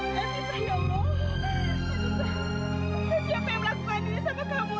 siapa yang melakukan ini sama kamu